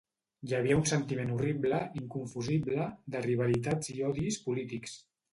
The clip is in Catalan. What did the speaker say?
Hi havia un sentiment horrible, inconfusible, de rivalitats i odis polítics